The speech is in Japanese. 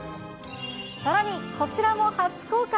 さらにこちらも初公開。